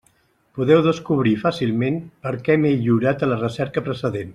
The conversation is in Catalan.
Podeu descobrir fàcilment per què m'he lliurat a la recerca precedent.